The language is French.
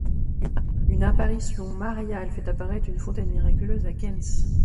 Une apparition mariale fait apparaître une fontaine miraculeuse à Kenz.